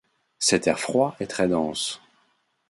Cet air froid est très dense.